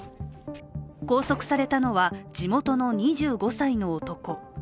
拘束されたのは地元の２５歳の男。